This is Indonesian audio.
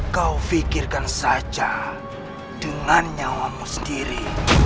kau pikirkan saja dengan nyawamu sendiri